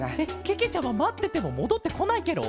けけちゃままっててももどってこないケロ？